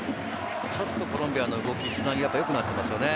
ちょっとコロンビアの動き、つなぎ方が良くなっていますね。